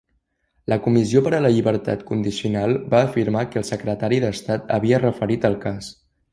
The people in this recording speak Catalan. La comissió per a la llibertat condicional va afirmar que el secretari d'estat havia referit el cas.